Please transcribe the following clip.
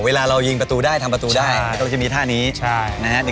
เวลาเรายิงปีดาดีทำปีดาดีก็จะมีท่านี้ในนะครับ